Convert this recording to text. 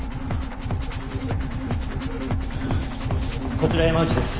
こちら山内です。